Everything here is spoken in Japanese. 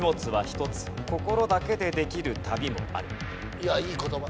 いやいい言葉。